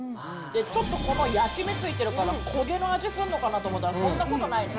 ちょっとこの焼き目ついてるから焦げの味すんのかなと思ったらそんなことないね。